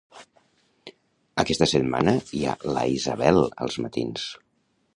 Aquesta setmana hi ha la Isabel als matins